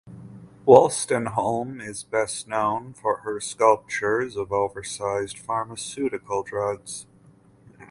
Wolstenholme is best known for her sculptures of oversized pharmaceutical drugs.